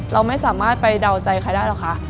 เราไม่สามารถไปเดาใจใครได้หรอกคะ